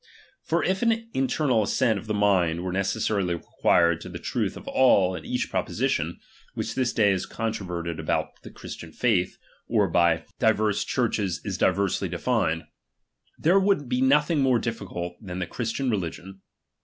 For if an inter nal assent of the mind were necessarily required to the truth of all and each proposition, which this day is controverted about the Christian faitli, or by 310 RELIGION. ' ^A I II divers churehes is diversely defined ; there wouW' be nothing more difficult than the Christian reli gion.